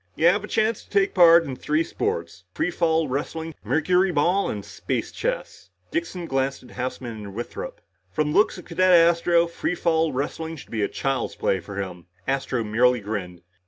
"You have a chance to take part in three sports. Free fall wrestling, mercuryball and space chess." Dixon glanced at Houseman and Withrop. "From the looks of Cadet Astro, free fall wrestling should be child's play for him!" Astro merely grinned.